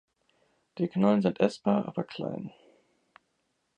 Die Knollen sind essbar, aber klein.